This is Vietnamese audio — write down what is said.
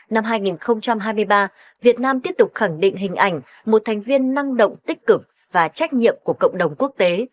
năm hai nghìn hai mươi ba việt nam tiếp tục khẳng định hình ảnh một thành viên năng động tích cực và trách nhiệm của cộng đồng quốc tế